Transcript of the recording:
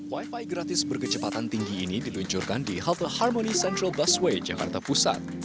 wifi gratis berkecepatan tinggi ini diluncurkan di halte harmony central busway jakarta pusat